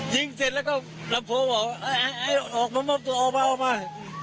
ยิงเสร็จแล้วก็ลำโพงออกออกมาออกมาออกมา